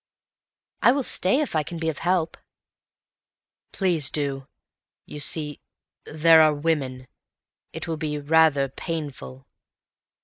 "I will stay if I can be of any help." "Please do. You see, there are women. It will be rather painful.